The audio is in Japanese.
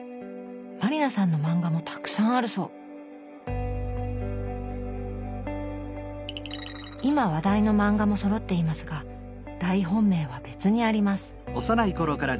満里奈さんの漫画もたくさんあるそう今話題の漫画もそろっていますが大本命は別にあります